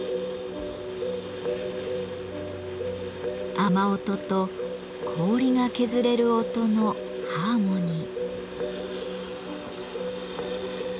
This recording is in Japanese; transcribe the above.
雨音と氷が削れる音のハーモニー。